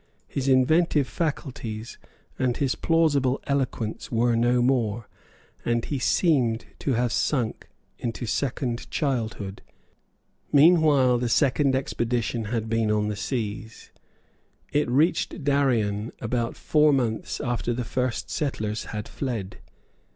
His inventive faculties and his plausible eloquence were no more; and he seemed to have sunk into second childhood. Meanwhile the second expedition had been on the seas. It reached Darien about four months after the first settlers had fled.